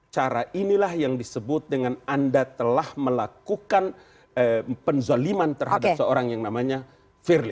cara inilah yang disebut dengan anda telah melakukan penzaliman terhadap seorang yang namanya firly